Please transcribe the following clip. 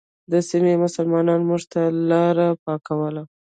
د سیمې مسلمانانو موږ ته لاره پاکوله.